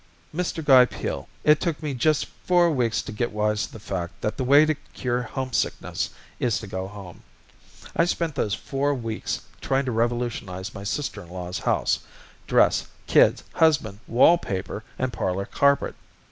"Mr. Guy Peel, it took me just four weeks to get wise to the fact that the way to cure homesickness is to go home. I spent those four weeks trying to revolutionize my sister in law's house, dress, kids, husband, wall paper and parlor carpet.